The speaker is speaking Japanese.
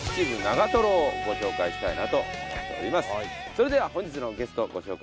それでは本日のゲストご紹介いたしましょう。